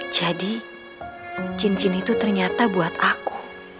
jadi cincin itu ternyata buat aku